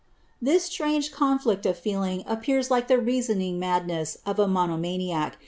' This strange coiillict of fueling apjtears like ihe reasoning madness of a moutimaninc.